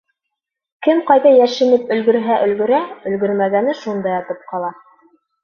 Кем ҡайҙа йәшенеп өлгөрһә-өлгөрә, өлгөрмәгәне шунда ятып ҡала...